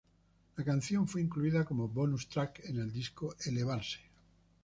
La canción fue incluida como bonus track en el disco 'elevarse'.